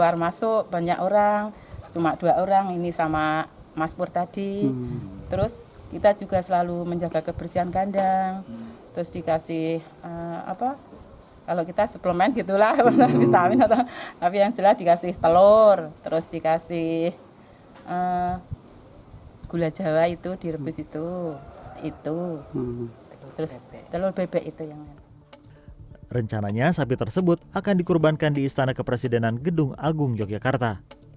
rencananya sapi tersebut akan dikurbankan di istana kepresidenan gedung agung yogyakarta